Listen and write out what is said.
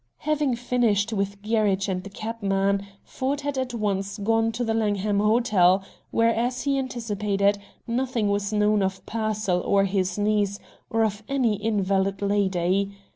Having finished with Gerridge and the cab man, Ford had at once gone to the Langham Hotel, where, as he anticipated, nothing was known of Pearsall or his niece, or of any invalid lady.